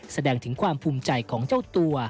แสดงถึงความภูมิใจของเจ้าตัว